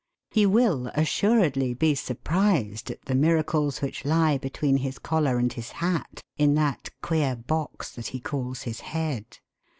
He will assuredly be surprised at the miracles which lie between his collar and his hat, in that queer box that he calls his head.